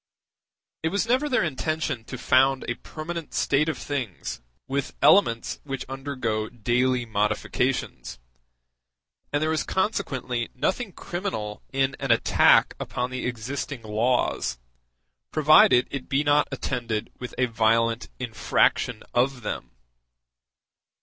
It was never their intention to found a permanent state of things with elements which undergo daily modifications; and there is consequently nothing criminal in an attack upon the existing laws, provided it be not attended with a violent infraction of them.